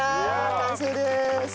完成です！